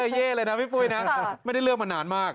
เย่เลยนะพี่ปุ้ยนะไม่ได้เลือกมานานมาก